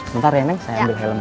bentar ya neng saya ambil helmnya